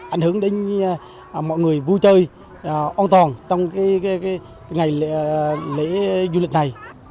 ảnh hưởng đến mọi người vui chơi an toàn trong ngày lễ du lịch này